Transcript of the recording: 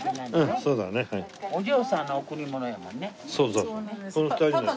そうそう。